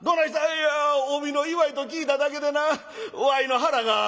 「いや帯の祝いと聞いただけでなわいの腹が大けなった」。